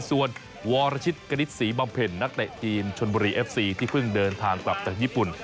ส่วนวรชิตกณิตศรีบำเพ็ญนักเตะทีมชนบุรีเอฟซีที่เพิ่งเดินทางกลับจากญี่ปุ่น